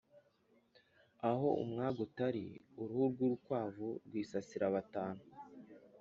Aho umwaga utari uruhu rw’urukwavu rwisasira batanu.